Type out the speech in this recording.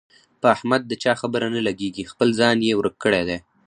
په احمد د چا خبره نه لګېږي، خپل ځان یې ورک کړی دی.